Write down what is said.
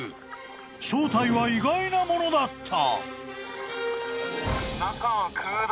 ［正体は意外なものだった］